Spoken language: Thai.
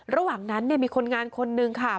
ระหว่างนั้นมีคนงานคนนึงค่ะ